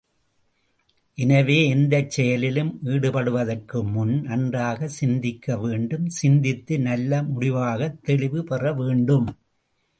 எனவே, எந்தச் செயலிலும் ஈடுபடுவதற்கு முன், நன்றாகச் சிந்திக்க வேண்டும் சிந்தித்து நல்ல முடிபாகத் தெளிவு பெறவேண்டும்.